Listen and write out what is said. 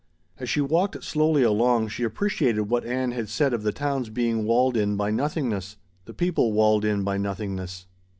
As she walked slowly along she appreciated what Ann had said of the town's being walled in by nothingness the people walled in by nothingness.